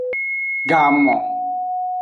Gamon.